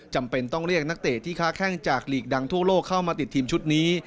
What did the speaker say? จำเป็นต้องเรียกนักเตะที่ค้าแข้งจากหลีกดังทั่วโลกเข้ามาติดทีมชุดนี้